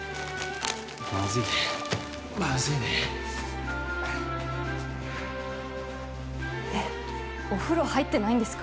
まずいねまずいねえっお風呂入ってないんですか？